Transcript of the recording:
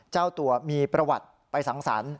เจ้าตัวมีประวัติไปสังสรรค์